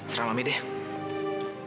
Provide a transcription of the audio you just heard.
serah sama mi deh